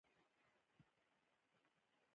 د افغانستان شمال ته امو سیند دی